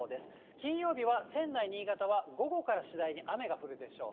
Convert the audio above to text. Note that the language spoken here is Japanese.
金曜日は仙台、新潟は、午後から次第に雨が降るでしょう。